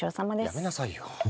やめなさいよ